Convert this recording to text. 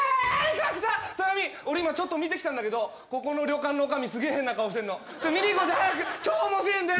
角田豊美俺今ちょっと見てきたんだけどここの旅館のおかみすげえ変な顔してんのちょっと見に行こうぜ早く超おもしれえんだよ